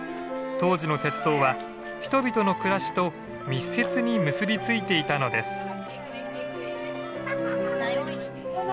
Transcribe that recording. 当時の鉄道は人々の暮らしと密接に結びついていたのです。